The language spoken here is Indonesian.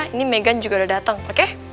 ini megan juga udah dateng oke